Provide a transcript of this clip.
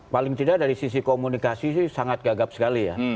paling tidak dari sisi komunikasi sih sangat gagap sekali ya